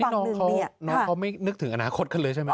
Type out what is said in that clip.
น้องเขาไม่นึกถึงอนาคตกันเลยใช่ไหม